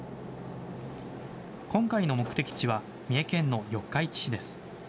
今回の目的地は、三重県の四日市市です。